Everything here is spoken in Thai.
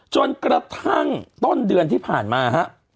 จนกระทั่งต้นเดือนที่ผ่านมาฮะ